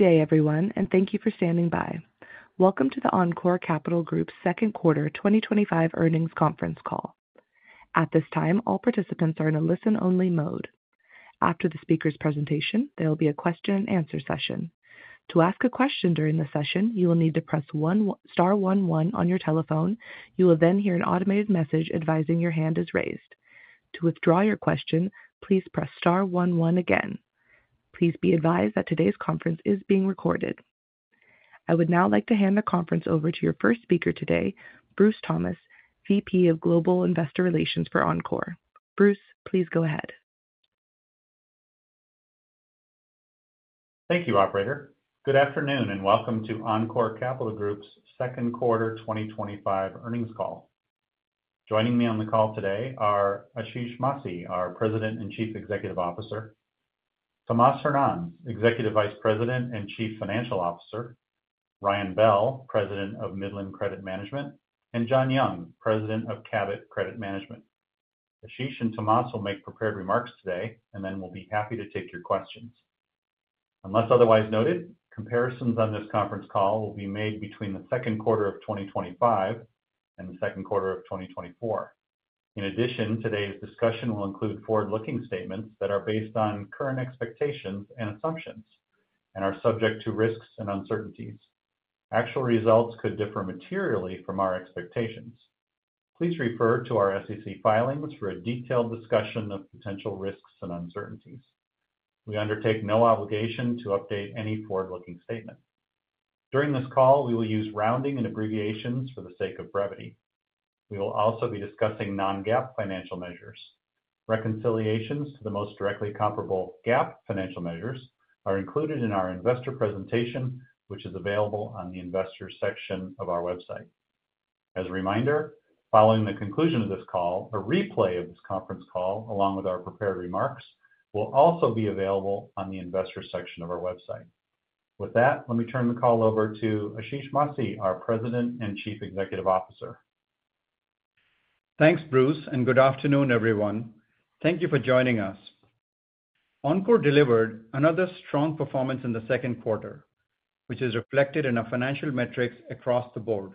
Good day, everyone, and thank you for standing by. Welcome to the Encore Capital Group's Second Quarter 2025 Earnings Conference Call. At this time, all participants are in a listen-only mode. After the speaker's presentation, there will be a question-and-answer session. To ask a question during the session, you will need to press star one-one on your telephone. You will then hear an automated message advising your hand is raised. To withdraw your question, please press star one-one again. Please be advised that today's conference is being recorded. I would now like to hand the conference over to your first speaker today, Bruce Thomas, Vice President of Global Investor Relations for Encore. Bruce, please go ahead. Thank you, operator. Good afternoon and welcome to Encore Capital Group's Second Quarter 2025 Earnings Call. Joining me on the call today are Ashish Masih, our President and Chief Executive Officer, Tomas Hernanz, Executive Vice President and Chief Financial Officer, Ryan Bell, President of Midland Credit Management, and John Young, President of Cabot Credit Management. Ashish and Tomas will make prepared remarks today, and then we'll be happy to take your questions. Unless otherwise noted, comparisons on this conference call will be made between the second quarter of 2025 and the second quarter of 2024. In addition, today's discussion will include forward-looking statements that are based on current expectations and assumptions and are subject to risks and uncertainties. Actual results could differ materially from our expectations. Please refer to our SEC filings for a detailed discussion of potential risks and uncertainties. We undertake no obligation to update any forward-looking statement. During this call, we will use rounding and abbreviations for the sake of brevity. We will also be discussing non-GAAP financial measures. Reconciliations to the most directly comparable GAAP financial measures are included in our investor presentation, which is available on the investor section of our website. As a reminder, following the conclusion of this call, a replay of this conference call, along with our prepared remarks, will also be available on the investor section of our website. With that, let me turn the call over to Ashish Masih, our President and Chief Executive Officer. Thanks, Bruce, and good afternoon, everyone. Thank you for joining us. Encore delivered another strong performance in the second quarter, which is reflected in our financial metrics across the board.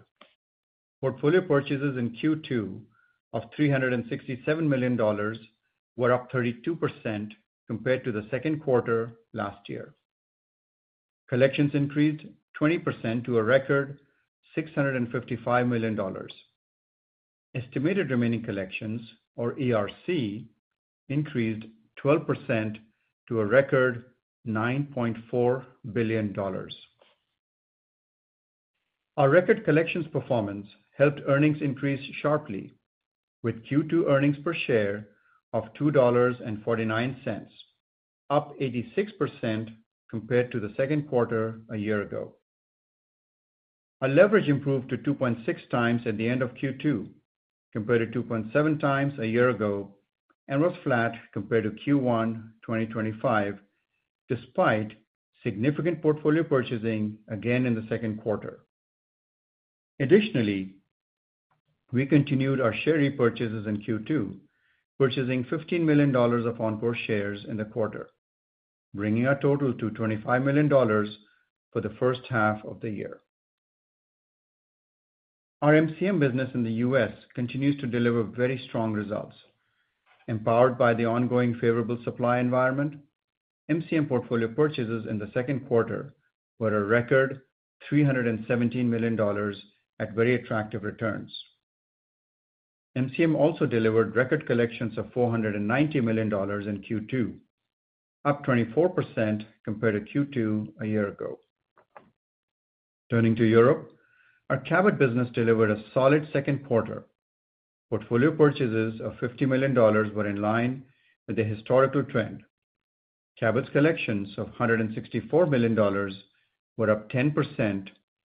Portfolio purchases in Q2 of $367 million were up 32% compared to the second quarter last year. Collections increased 20% to a record $655 million. Estimated remaining collections, or ERC, increased 12% to a record $9.4 billion. Our record collections performance helped earnings increase sharply, with Q2 earnings per share of $2.49, up 86% compared to the second quarter a year ago. Our leverage improved to 2.6x at the end of Q2, compared to 2.7x a year ago, and was flat compared to Q1 2025, despite significant portfolio purchasing again in the second quarter. Additionally, we continued our share repurchases in Q2, purchasing $15 million of Encore shares in the quarter, bringing our total to $25 million for the first half of the year. Our MCM business in the U.S. continues to deliver very strong results. Empowered by the ongoing favorable supply environment, MCM portfolio purchases in the second quarter were a record $317 million at very attractive returns. MCM also delivered record collections of $490 million in Q2, up 24% compared to Q2 a year ago. Turning to Europe, our Cabot business delivered a solid second quarter. Portfolio purchases of $50 million were in line with the historical trend. Cabot's collections of $164 million were up 10%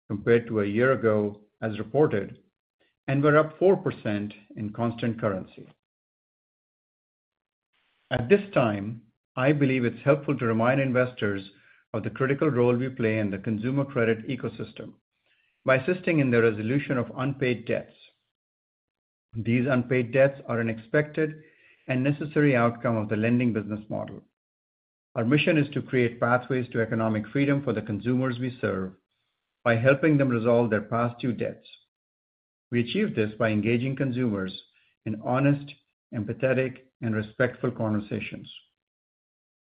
compared to a year ago as reported and were up 4% in constant currency. At this time, I believe it's helpful to remind investors of the critical role we play in the consumer credit ecosystem by assisting in the resolution of unpaid debts. These unpaid debts are an expected and necessary outcome of the lending business model. Our mission is to create pathways to economic freedom for the consumers we serve by helping them resolve their past due debts. We achieve this by engaging consumers in honest, empathetic, and respectful conversations.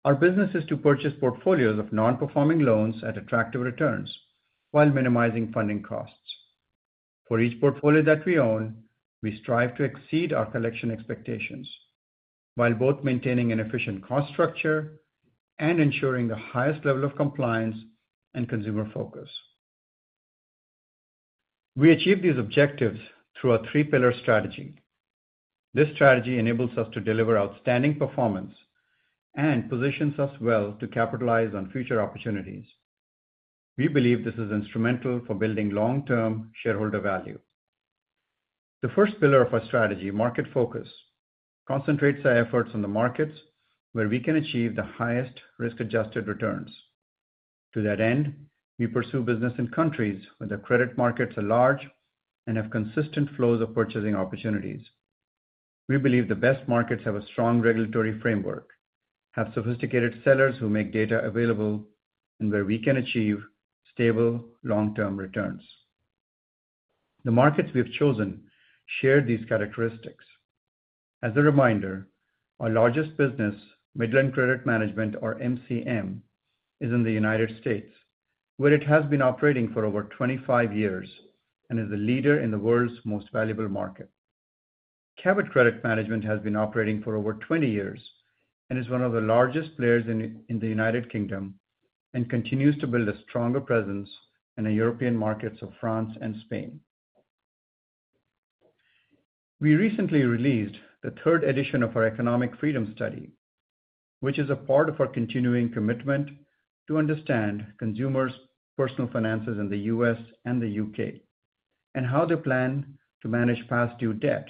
Our business is to purchase portfolios of non-performing loans at attractive returns while minimizing funding costs. For each portfolio that we own, we strive to exceed our collection expectations while both maintaining an efficient cost structure and ensuring the highest level of compliance and consumer focus. We achieve these objectives through our three-pillar strategy. This strategy enables us to deliver outstanding performance and positions us well to capitalize on future opportunities. We believe this is instrumental for building long-term shareholder value. The first pillar of our strategy, market focus, concentrates our efforts on the markets where we can achieve the highest risk-adjusted returns. To that end, we pursue business in countries where the credit markets are large and have consistent flows of purchasing opportunities. We believe the best markets have a strong regulatory framework, have sophisticated sellers who make data available, and where we can achieve stable long-term returns. The markets we have chosen share these characteristics. As a reminder, our largest business, Midland Credit Management, or MCM, is in the U.S., where it has been operating for over 25 years and is the leader in the world's most valuable market. Cabot Credit Management has been operating for over 20 years and is one of the largest players in the United Kingdom and continues to build a stronger presence in the European markets of France and Spain. We recently released the third edition of our economic freedom study, which is a part of our continuing commitment to understand consumers' personal finances in the U.S. and the U.K., and how they plan to manage past due debt.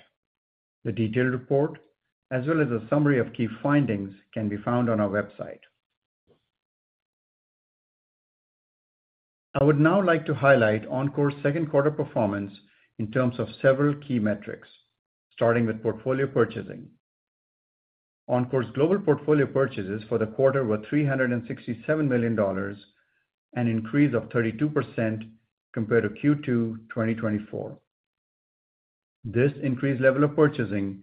The detailed report, as well as a summary of key findings, can be found on our website. I would now like to highlight Encore's second quarter performance in terms of several key metrics, starting with portfolio purchasing. Encore's global portfolio purchases for the quarter were $367 million, an increase of 32% compared to Q2 2024. This increased level of purchasing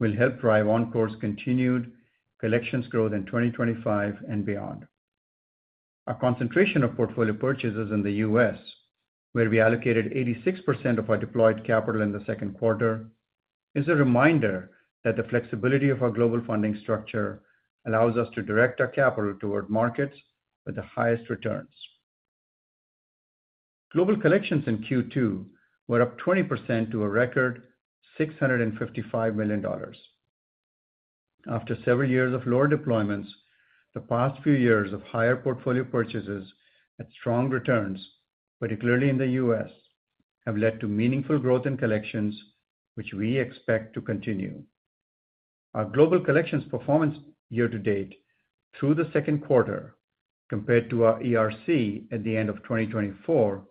will help drive Encore's continued collections growth in 2025 and beyond. Our concentration of portfolio purchases in the U.S., where we allocated 86% of our deployed capital in the second quarter, is a reminder that the flexibility of our global funding structure allows us to direct our capital toward markets with the highest returns. Global collections in Q2 were up 20% to a record $655 million. After several years of lower deployments, the past few years of higher portfolio purchases and strong returns, particularly in the U.S., have led to meaningful growth in collections, which we expect to continue. Our global collections performance year to date through the second quarter, compared to our ERC at the end of 2024,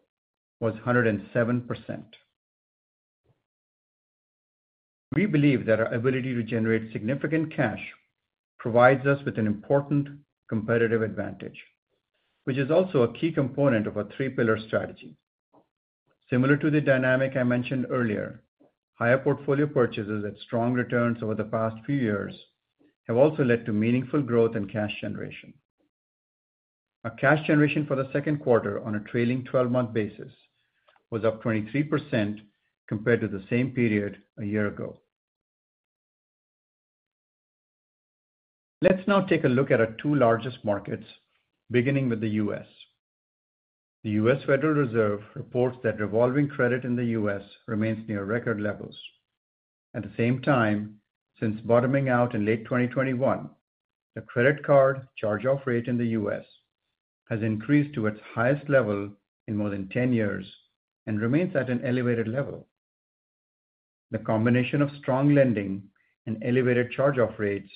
was 107%. We believe that our ability to generate significant cash provides us with an important competitive advantage, which is also a key component of our three-pillar strategy. Similar to the dynamic I mentioned earlier, higher portfolio purchases at strong returns over the past few years have also led to meaningful growth in cash generation. Our cash generation for the second quarter on a trailing 12-month basis was up 23% compared to the same period a year ago. Let's now take a look at our two largest markets, beginning with the U.S. The U.S. Federal Reserve reports that revolving credit in the U.S. remains near record levels. At the same time, since bottoming out in late 2021, the credit card charge-off rate in the U.S. has increased to its highest level in more than 10 years and remains at an elevated level. The combination of strong lending and elevated charge-off rates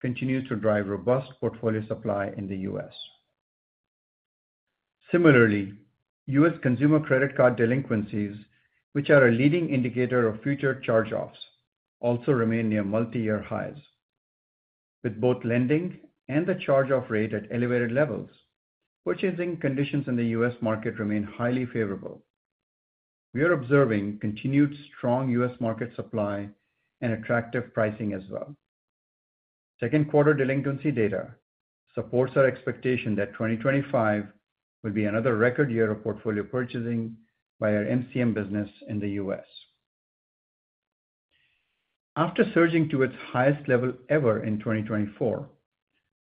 continues to drive robust portfolio supply in the U.S. Similarly, U.S. consumer credit card delinquencies, which are a leading indicator of future charge-offs, also remain near multi-year highs. With both lending and the charge-off rate at elevated levels, purchasing conditions in the U.S. market remain highly favorable. We are observing continued strong U.S. market supply and attractive pricing as well. Second quarter delinquency data supports our expectation that 2025 will be another record year of portfolio purchasing by our MCM business in the U.S. After surging to its highest level ever in 2024,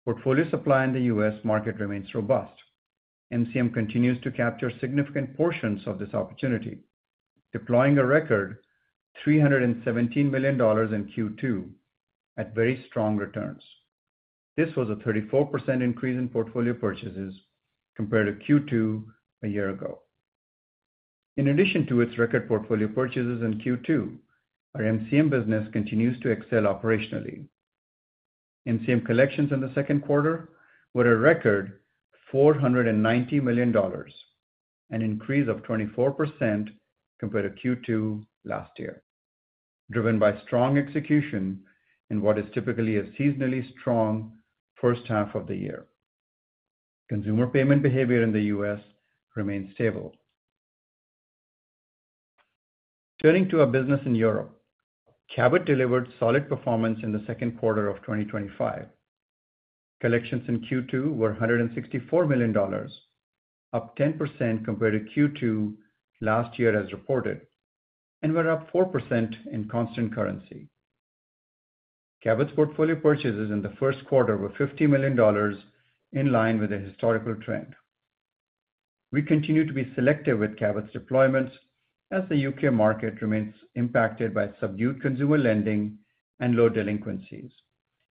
portfolio supply in the U.S. market remains robust. MCM continues to capture significant portions of this opportunity, deploying a record $317 million in Q2 at very strong returns. This was a 34% increase in portfolio purchases compared to Q2 a year ago. In addition to its record portfolio purchases in Q2, our MCM business continues to excel operationally. MCM collections in the second quarter were a record $490 million, an increase of 24% compared to Q2 last year, driven by strong execution in what is typically a seasonally strong first half of the year. Consumer payment behavior in the U.S. remains stable. Turning to our business in Europe, Cabot delivered solid performance in the second quarter of 2025. Collections in Q2 were $164 million, up 10% compared to Q2 last year as reported, and were up 4% in constant currency. Cabot's portfolio purchases in the first quarter were $50 million, in line with the historical trend. We continue to be selective with Cabot's deployments as the UK market remains impacted by subdued consumer lending and low delinquencies,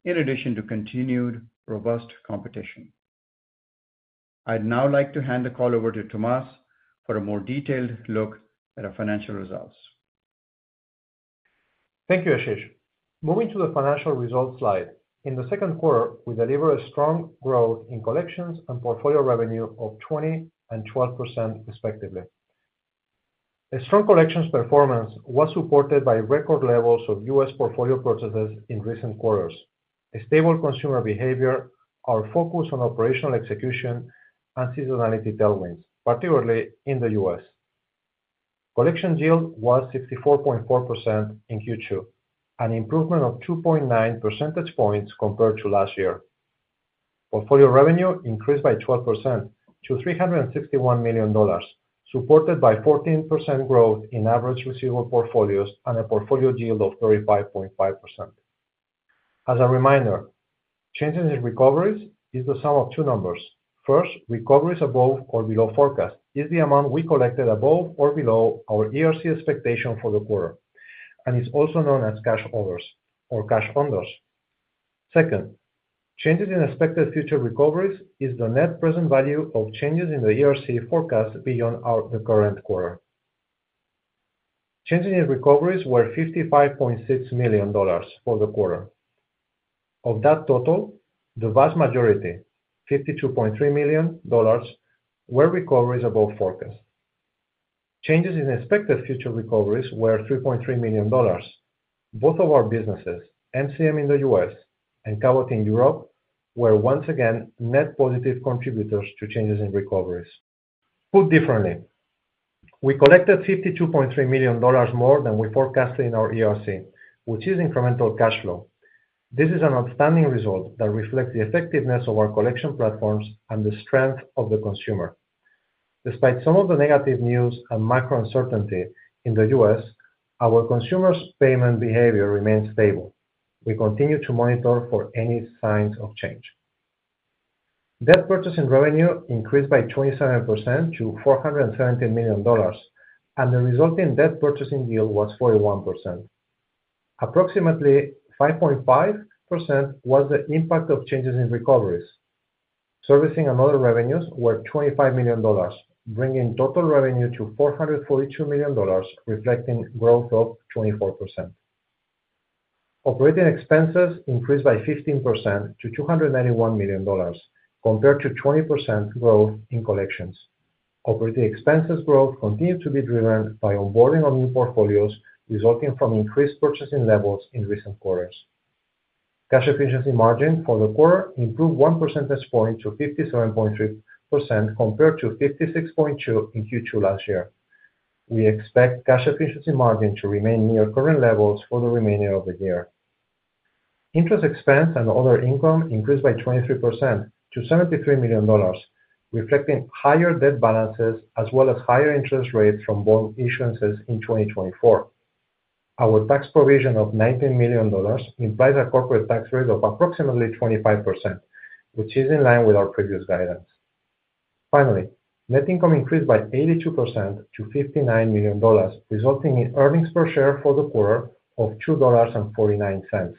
in addition to continued robust competition. I'd now like to hand the call over to Tomas for a more detailed look at our financial results. Thank you, Ashish. Moving to the financial results slide, in the second quarter, we delivered a strong growth in collections and portfolio revenue of 20% and 12%, respectively. A strong collections performance was supported by record levels of U.S. portfolio purchases in recent quarters, a stable consumer behavior, our focus on operational execution, and seasonality tailwinds, particularly in the U.S. Collection yield was 64.4% in Q2, an improvement of 2.9 percentage points compared to last year. Portfolio revenue increased by 12% to $361 million, supported by 14% growth in average receivable portfolios and a portfolio yield of 35.5%. As a reminder, changes in recoveries are the sum of two numbers. First, recoveries above or below forecast is the amount we collected above or below our ERC expectation for the quarter, and it's also known as cash overs or cash unders. Second, changes in expected future recoveries is the net present value of changes in the ERC forecast beyond the current quarter. Changes in recoveries were $55.6 million for the quarter. Of that total, the vast majority, $52.3 million, were recoveries above forecast. Changes in expected future recoveries were $3.3 million. Both of our businesses, MCM in the U.S. and Cabot in Europe, were once again net positive contributors to changes in recoveries. Put differently, we collected $52.3 million more than we forecasted in our ERC, which is incremental cash flow. This is an outstanding result that reflects the effectiveness of our collection platforms and the strength of the consumer. Despite some of the negative news and macro uncertainty in the U.S., our consumers' payment behavior remains stable. We continue to monitor for any signs of change. Debt purchasing revenue increased by 27% to $417 million, and the resulting debt purchasing yield was 41%. Approximately 5.5% was the impact of changes in recoveries. Servicing and other revenues were $25 million, bringing total revenue to $442 million, reflecting growth of 24%. Operating expenses increased by 15% to $291 million, compared to 20% growth in collections. Operating expenses growth continues to be driven by onboarding of new portfolios, resulting from increased purchasing levels in recent quarters. Cash efficiency margin for the quarter improved one percentage point to 57.3% compared to 56.2% in Q2 last year. We expect cash efficiency margin to remain near current levels for the remainder of the year. Interest expense and other income increased by 23% to $73 million, reflecting higher debt balances as well as higher interest rates from bond issuances in 2024. Our tax provision of $19 million implies a corporate tax rate of approximately 25%, which is in line with our previous guidelines. Finally, net income increased by 82% to $59 million, resulting in earnings per share for the quarter of $2.49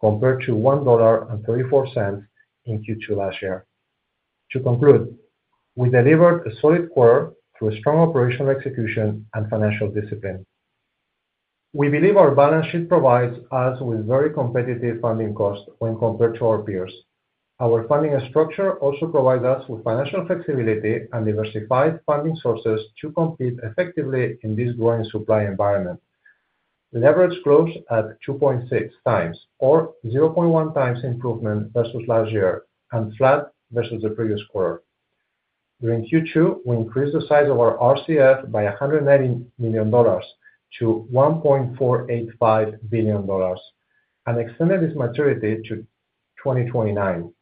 compared to $1.34 in Q2 last year. To conclude, we delivered a solid quarter through strong operational execution and financial discipline. We believe our balance sheet provides us with very competitive funding costs when compared to our peers. Our funding structure also provides us with financial flexibility and diversified funding sources to compete effectively in this growing supply environment. Leverage growth at 2.6x or 0.1x improvement versus last year and flat versus the previous quarter. During Q2, we increased the size of our revolving credit facility by $190 million to $1.485 billion and extended its maturity to 2029.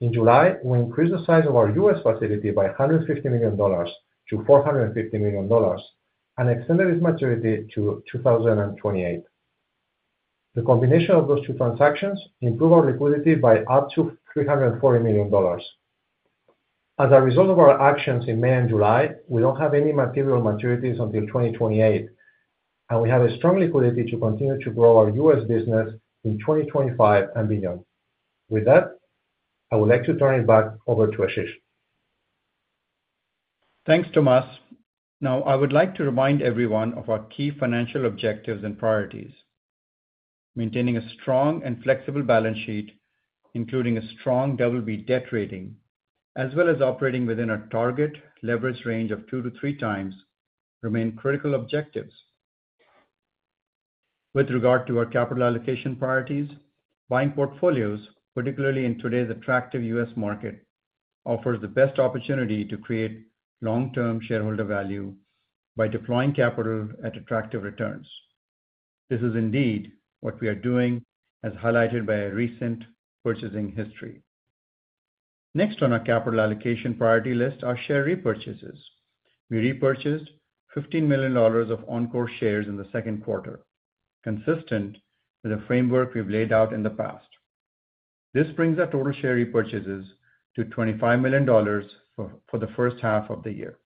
In July, we increased the size of our U.S. facility by $150 million to $450 million and extended its maturity to 2028. The combination of those two transactions improved our liquidity by up to $340 million. As a result of our actions in May and July, we don't have any material maturities until 2028, and we have strong liquidity to continue to grow our U.S. business in 2025 and beyond. With that, I would like to turn it back over to Ashish. Thanks, Tomas. Now, I would like to remind everyone of our key financial objectives and priorities. Maintaining a strong and flexible balance sheet, including a strong double-B debt rating, as well as operating within a target leverage range of 2x to 3x, remain critical objectives. With regard to our capital allocation priorities, buying portfolios, particularly in today's attractive U.S. market, offers the best opportunity to create long-term shareholder value by deploying capital at attractive returns. This is indeed what we are doing, as highlighted by a recent purchasing history. Next on our capital allocation priority list are share repurchases. We repurchased $15 million of Encore shares in the second quarter, consistent with the framework we've laid out in the past. This brings our total share repurchases to $25 million for the first half of the year.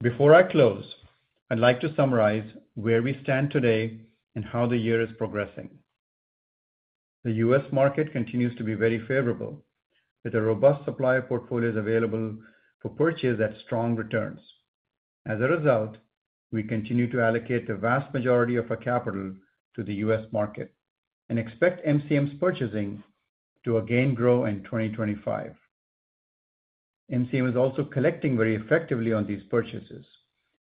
Before I close, I'd like to summarize where we stand today and how the year is progressing. The U.S. market continues to be very favorable, with a robust supply of portfolios available for purchase at strong returns. As a result, we continue to allocate the vast majority of our capital to the U.S. market and expect MCM's purchasing to again grow in 2025. MCM is also collecting very effectively on these purchases,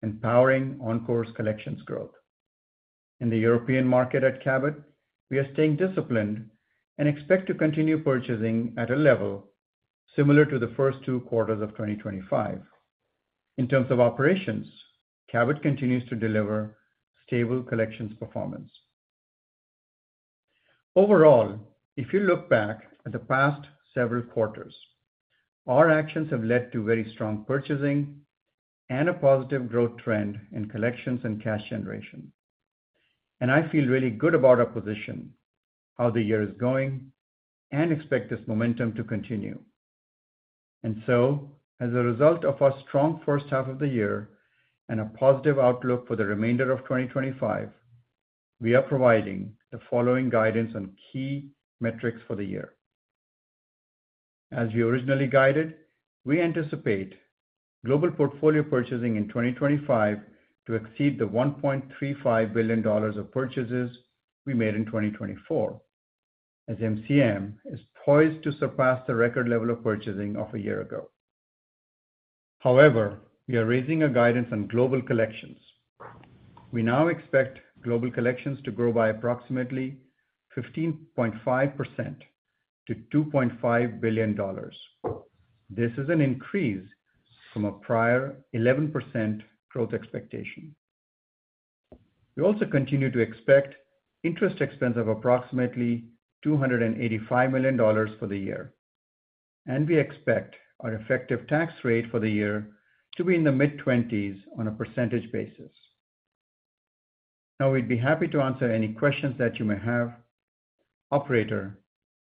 empowering Encore's collections growth. In the European market at Cabot, we are staying disciplined and expect to continue purchasing at a level similar to the first two quarters of 2025. In terms of operations, Cabot continues to deliver stable collections performance. Overall, if you look back at the past several quarters, our actions have led to very strong purchasing and a positive growth trend in collections and cash generation. I feel really good about our position, how the year is going, and expect this momentum to continue. As a result of our strong first half of the year and a positive outlook for the remainder of 2025, we are providing the following guidance on key metrics for the year. As we originally guided, we anticipate global portfolio purchasing in 2025 to exceed the $1.35 billion of purchases we made in 2024, as MCM is poised to surpass the record level of purchasing of a year ago. However, we are raising our guidance on global collections. We now expect global collections to grow by approximately 15.5% to $2.5 billion. This is an increase from a prior 11% growth expectation. We also continue to expect interest expense of approximately $285 million for the year, and we expect our effective tax rate for the year to be in the mid-20s on a percentage basis. Now, we'd be happy to answer any questions that you may have. Operator,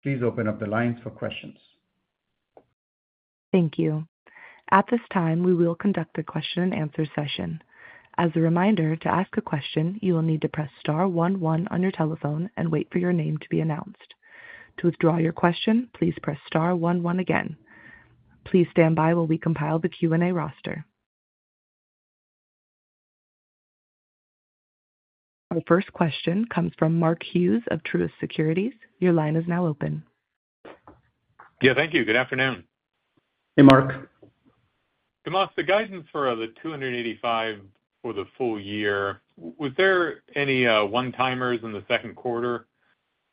please open up the lines for questions. Thank you. At this time, we will conduct a question and answer session. As a reminder, to ask a question, you will need to press star one-one on your telephone and wait for your name to be announced. To withdraw your question, please press star one-one again. Please stand by while we compile the Q&A roster. Our first question comes from Mark Hughes of Truist Securities. Your line is now open. Yeah, thank you. Good afternoon. Hey, Mark. The guidance for the $285 million for the full year, was there any one-timers in the second quarter?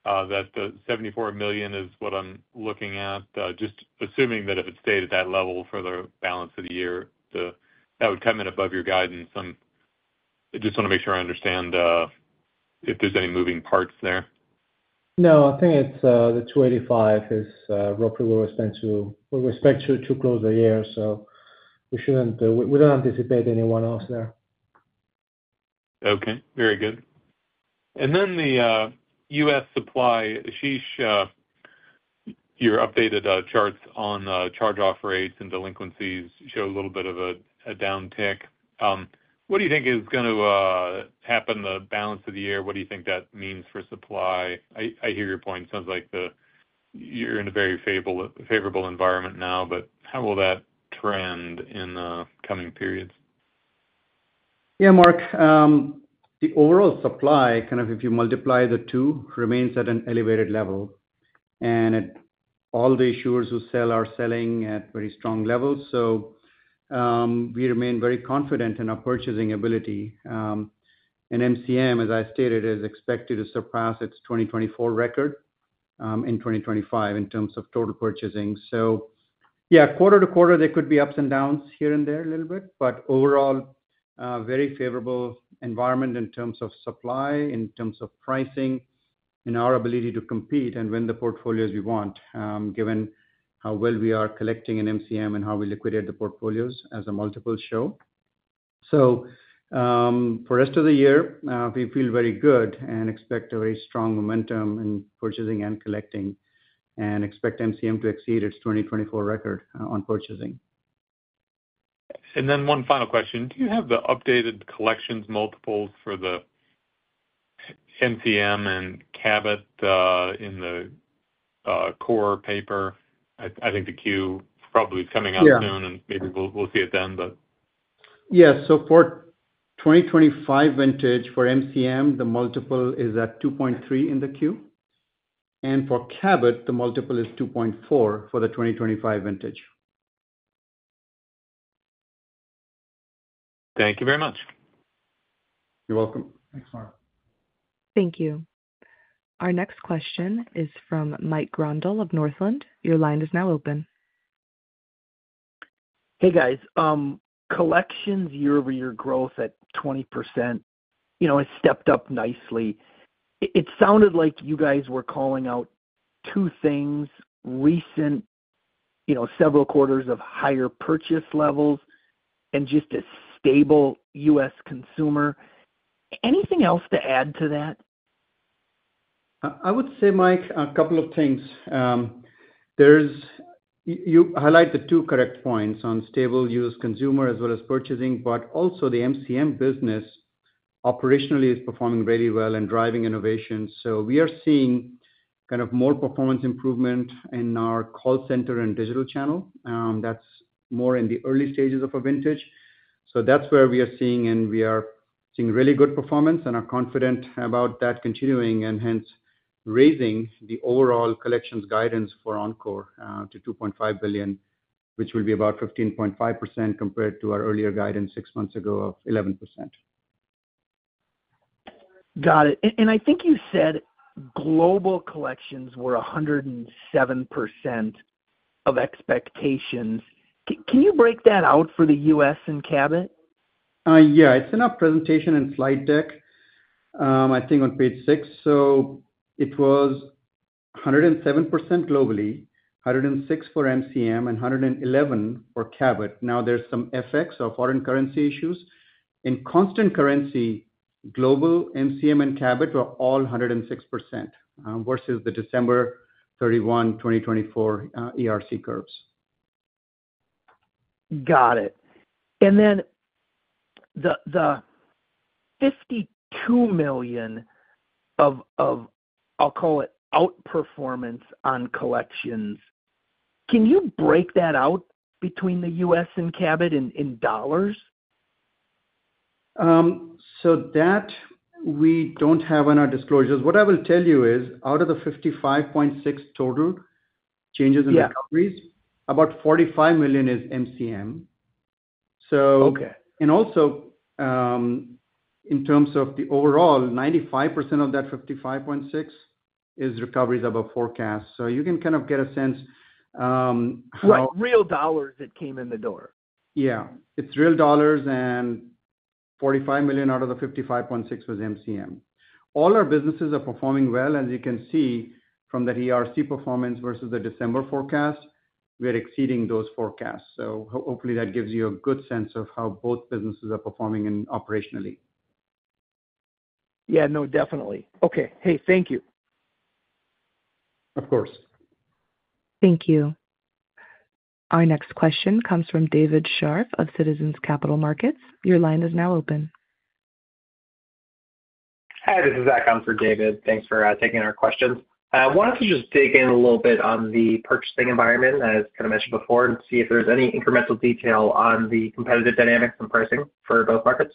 The $74 million is what I'm looking at, just assuming that if it stayed at that level for the balance of the year, that would come in above your guidance. I just want to make sure I understand if there's any moving parts there. No, I think it's the $285 million is roughly where we spent with respect to two quarters of the year, so we don't anticipate anyone else there. Okay, very good. The U.S. supply, Ashish, your updated charts on charge-off rates and delinquencies show a little bit of a downtick. What do you think is going to happen in the balance of the year? What do you think that means for supply? I hear your point. It sounds like you're in a very favorable environment now, but how will that trend in the coming periods? Yeah, Mark. The overall supply, kind of if you multiply the two, remains at an elevated level, and all the issuers who sell are selling at very strong levels. We remain very confident in our purchasing ability. MCM, as I stated, is expected to surpass its 2024 record in 2025 in terms of total purchasing. Quarter to quarter, there could be ups and downs here and there a little bit, but overall, a very favorable environment in terms of supply, in terms of pricing, in our ability to compete, and when the portfolios we want, given how well we are collecting in MCM and how we liquidate the portfolios as the multiples show. For the rest of the year, we feel very good and expect a very strong momentum in purchasing and collecting and expect MCM to exceed its 2024 record on purchasing. One final question. Do you have the updated collections multiples for the MCM and Cabot in the core paper? I think the Q probably is coming out soon, and maybe we'll see it then. Yeah, for the 2025 vintage for MCM, the multiple is at 2.3 in the quarter, and for Cabot, the multiple is 2.4 for the 2025 vintage. Thank you very much. You're welcome. Thanks, Mark. Thank you. Our next question is from Mike Grondal of Northland. Your line is now open. Hey, guys. Collections year-over-year growth at 20% has stepped up nicely. It sounded like you guys were calling out two things: recent several quarters of higher purchase levels and just a stable U.S. consumer. Anything else to add to that? I would say, Mike, a couple of things. You highlight the two correct points on stable U.S. consumer as well as purchasing, but also the MCM business operationally is performing really well and driving innovation. We are seeing kind of more performance improvement in our call center and digital channel. That's more in the early stages of a vintage. That's where we are seeing, and we are seeing really good performance, and I'm confident about that continuing, hence raising the overall collections guidance for Encore to $2.5 billion, which will be about 15.5% compared to our earlier guidance six months ago of 11%. Got it. I think you said global collections were 107% of expectations. Can you break that out for the U.S. and Cabot? Yeah, it's in our presentation in slide deck, I think on page six. It was 107% globally, 106% for MCM, and 111% for Cabot. There are some FX or foreign currency issues. In constant currency, global, MCM, and Cabot were all 106% versus the December 31, 2024 ERC curves. Got it. The $52 million of, I'll call it, outperformance on collections, can you break that out between the U.S. and Cabot in dollars? We don't have that in our disclosures. What I will tell you is, out of the 55.6% total changes in recoveries, about $45 million is MCM. Also, in terms of the overall, 95% of that 55.6% is recoveries of a forecast. You can kind of get a sense. Like real dollars that came in the door. Yeah, it's real dollars, and $45 million out of the 55.6% was MCM. All our businesses are performing well, as you can see from that ERC performance versus the December forecast. We are exceeding those forecasts. Hopefully that gives you a good sense of how both businesses are performing operationally. Yeah, no, definitely. Thank you. Of course. Thank you. Our next question comes from David Sharf of Citizens Capital Markets. Your line is now open. Hi, this is Zachary Oster. I'm for David. Thanks for taking our question. I wanted to just dig in a little bit on the purchasing environment, as kind of mentioned before, and see if there's any incremental detail on the competitive dynamics and pricing for both markets.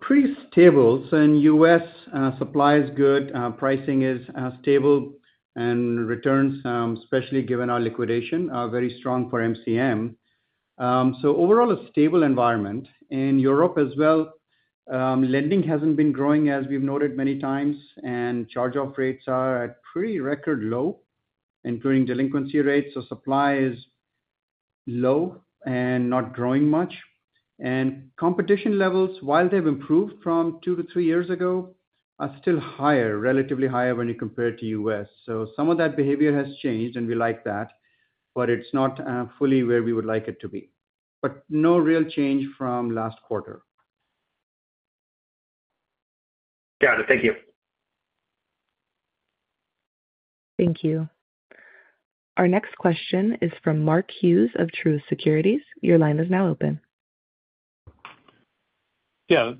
Pretty stable. In the U.S., supply is good, pricing is stable, and returns, especially given our liquidation, are very strong for MCM. Overall, a stable environment. In Europe as well, lending hasn't been growing, as we've noted many times, and charge-off rates are at pretty record low, including delinquency rates. Supply is low and not growing much. Competition levels, while they've improved from two to three years ago, are still relatively higher when you compare to the U.S. Some of that behavior has changed, and we like that, but it's not fully where we would like it to be. No real change from last quarter. Got it. Thank you. Thank you. Our next question is from Mark Hughes of Truist Securities. Your line is now open. Yeah,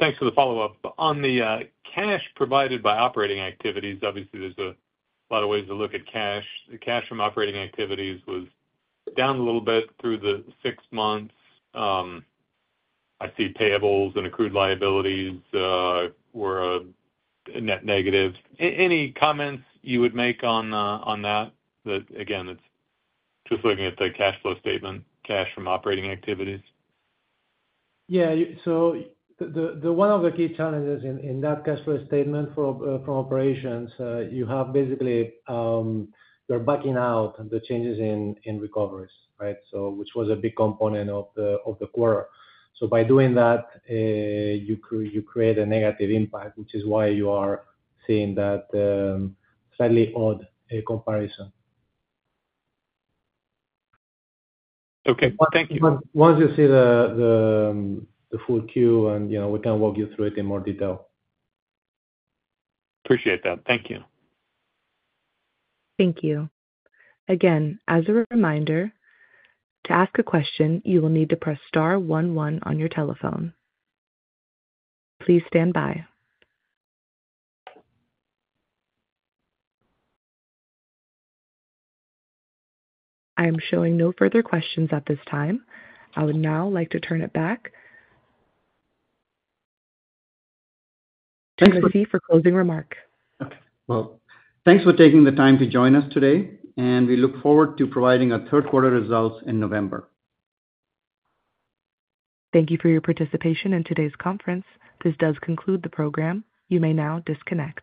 thanks for the follow-up. On the cash provided by operating activities, obviously there's a lot of ways to look at cash. The cash from operating activities was down a little bit through the six months. I see payables and accrued liabilities were a net negative. Any comments you would make on that? Again, it's just looking at the cash flow statement, cash from operating activities. Yeah, one of the key challenges in that cash flow statement from operations, you have basically you're backing out the changes in recoveries, right? Which was a big component of the quarter. By doing that, you create a negative impact, which is why you are seeing that slightly odd comparison. Okay, thank you. Once you see the full queue, you know we can walk you through it in more detail. Appreciate that. Thank you. Thank you. Again, as a reminder, to ask a question, you will need to press star one-one on your telephone. Please stand by. I am showing no further questions at this time. I would now like to turn it back to Ashish for closing remarks. Thank you for taking the time to join us today, and we look forward to providing our third quarter results in November. Thank you for your participation in today's conference. This does conclude the program. You may now disconnect.